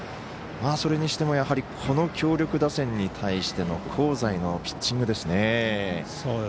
それにしても、やはりこの強力打線に対して香西のピッチングですね。